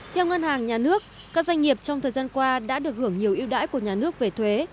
theo ngân hàng nhà nước các doanh nghiệp trong thời gian qua đã được hưởng nhiều ưu đãi của nhà nước về thuế